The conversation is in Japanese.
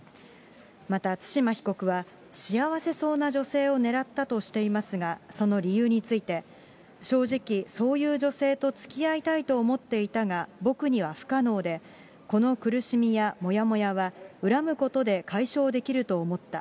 また対馬被告は、幸せそうな女性を狙ったとしていますが、その理由について、正直、そういう女性とつきあいと思っていたが、僕には不可能で、この苦しみやもやもやは、恨むことで解消できると思った。